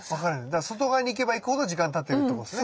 だから外側にいけばいくほど時間たってるってことですね。